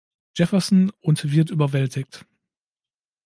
Jefferson und wird überwältigt.